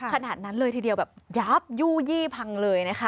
ขนาดนั้นเลยทีเดียวแบบยับยู่ยี่พังเลยนะคะ